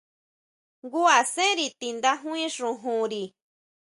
Jngu asenri tindajui xojonri.